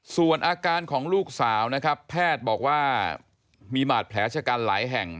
ส่วนอาการของลูกสาวนะครับแพทย์บอกว่ามีบาดแผลชะกันหลายแห่ง